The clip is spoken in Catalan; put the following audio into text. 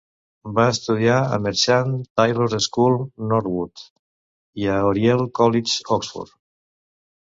Va estudiar a Merchant Taylors' School, Northwood, i a Oriel College, Oxford.